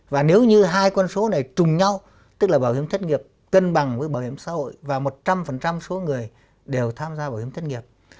và nếu như hai con số này trùng nhau tức là bảo hiểm thất nghiệp cân bằng với bảo hiểm xã hội và một trăm linh số người đều tham gia bảo hiểm thất nghiệp